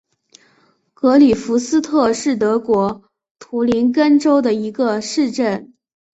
格里夫斯特是德国图林根州的一个市镇。